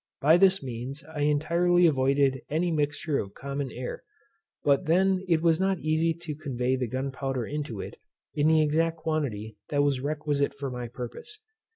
By this means I intirely avoided any mixture of common air; but then it was not easy to convey the gunpowder into it, in the exact quantity that was requisite for my purpose.